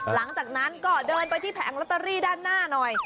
หลังจากนั้นก็เดินไปที่แผงลอตเตอรี่ด้านหน้าหน่อย